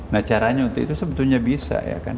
nah caranya untuk itu sebetulnya bisa ya kan